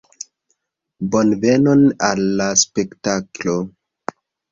Bonvenon al la spektaklo!